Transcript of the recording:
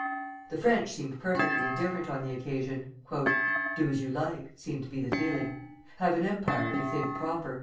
The French seemed perfectly indifferent on the occasion. "Do as you like," seemed to be the feeling. "Have an empire if you think proper.